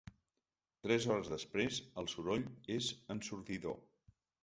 Tres hores després, el soroll és ensordidor.